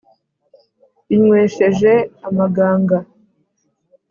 inywesheje amaganga